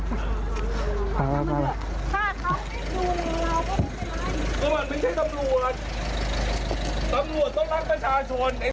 ถ้าเขาไม่ดูเราก็ไม่ได้มันไม่ใช่สำรวจสำรวจต้องรักประชาชน